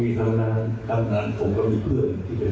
ที่ผมยังให้ความเคารพอยู่และยังเชื่อใจอยู่